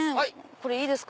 これいいですか。